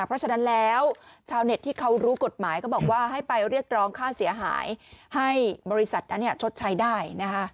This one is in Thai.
เพราะฉะนั้นแล้วชาวเน็ตที่เขารู้กฎหมายก็บอกว่าให้ไปเรียกร้องค่าเสียหายให้บริษัทนั้นชดใช้ได้นะคะ